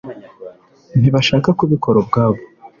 ntibashaka kubikora ubwabo